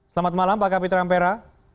selamat malam pak kapitra ampera